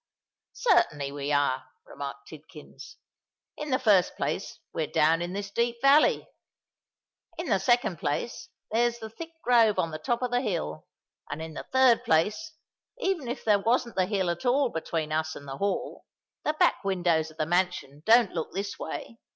"Certainly we are," remarked Tidkins. "In the first place we're down in this deep valley;—in the second place there's the thick grove on the top of the hill;—and in the third place, even if there wasn't the hill at all between us and the Hall, the back windows of the mansion don't look this way.